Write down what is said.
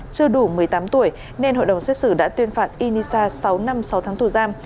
chưa đủ một mươi tám tuổi nên hội đồng xét xử đã tuyên phạt inisa sáu năm sáu tháng tù giam